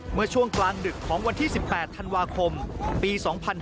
เมื่อช่วงกลางดึกของวันที่๑๘ธันวาคมปี๒๕๕๙